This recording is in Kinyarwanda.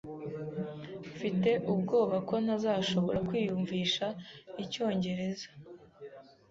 Mfite ubwoba ko ntazashobora kwiyumvisha icyongereza.